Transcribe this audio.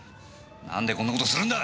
何でこんな事するんだ！？